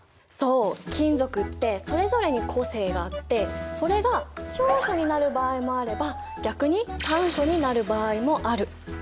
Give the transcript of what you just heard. そう金属ってそれぞれに個性があってそれが長所になる場合もあれば逆に短所になる場合もある。